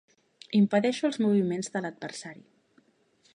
Impedeixo els moviments de l'adversari.